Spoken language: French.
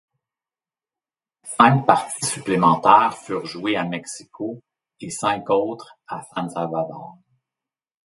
Cinq parties supplémentaires furent jouée à Mexico et cinq autres à San Salvador.